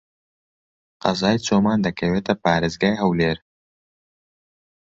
قەزای چۆمان دەکەوێتە پارێزگای هەولێر.